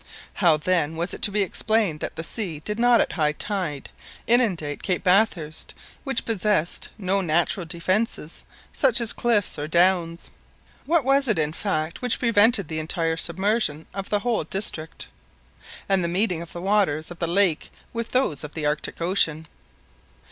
How then was it to be explained that the sea did not at high tide inundate Cape Bathurst, which possessed no natural defences such as cliffs or downs? What was it, in fact, which prevented the entire submersion of the whole district, and the meeting of the waters of the lake with those of the Arctic Ocean?